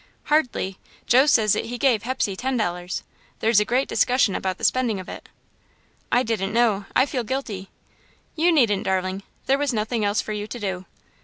"Hardly Joe says that he gave Hepsey ten dollars. There's a great discussion about the spending of it." "I didn't know I feel guilty." "You needn't, darling. There was nothing else for you to do.